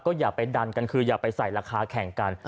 อย่าไปดันกันคืออย่าไปใส่ราคาแข่งกัน